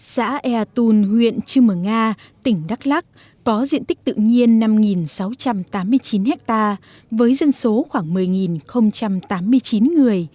xã ea tùn huyện chư mờ nga tỉnh đắk lắc có diện tích tự nhiên năm sáu trăm tám mươi chín ha với dân số khoảng một mươi năm